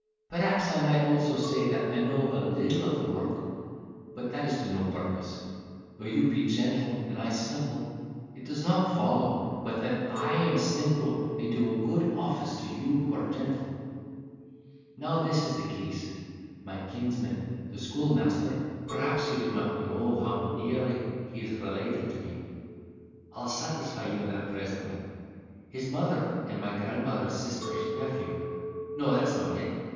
Perhaps I might also say, that I know a little of the world; but that is to no purpose,—though you be gentle, and I simple, it does not follow, but that I who am simple may do a good office to you who are gentle. Now this is the case: my kinsman, the schoolmaster—perhaps you did not know how nearly he is related to me—I'll satisfy you in that presently; his mother and my grandmother's sister's nephew—no, that's not it!